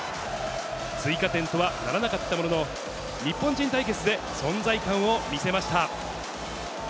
追加点とはならなかったものの、日本人対決で存在感を見せました。